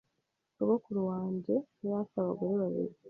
Sogokuru wange yari afite abagore babiri